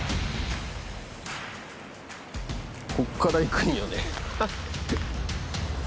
こっからいくんよね